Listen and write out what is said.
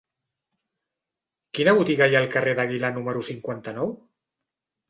Quina botiga hi ha al carrer d'Aguilar número cinquanta-nou?